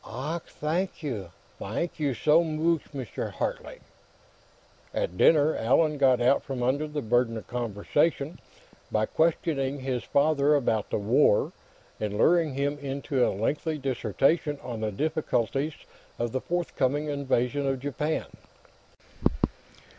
"Ach, t'ank you! T'ank you so mooch, Mr. Hartley." At dinner, Allan got out from under the burden of conversation by questioning his father about the War and luring him into a lengthy dissertation on the difficulties of the forthcoming invasion of Japan.